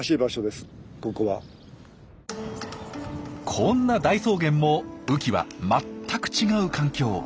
こんな大草原も雨季は全く違う環境。